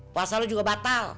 puasa lo juga batal